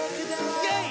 イェイ！